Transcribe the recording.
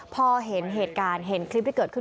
พอเห็นเหตุการณ์เห็นคลิปที่เกิดขึ้น